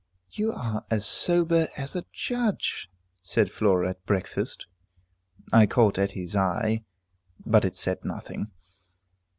"You are as sober as a judge," said Flora at breakfast. I caught Etty's eye, but it said nothing.